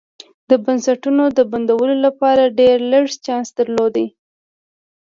د بنسټونو د بدلون لپاره ډېر لږ چانس درلود.